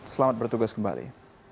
selamat bertugas kembali